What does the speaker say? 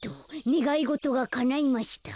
ねがいごとがかないました。